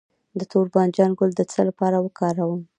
د تور بانجان ګل د څه لپاره وکاروم؟